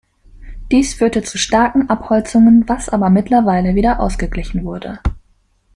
Dies führte zu starken Abholzungen, was aber mittlerweile wieder ausgeglichen wurde.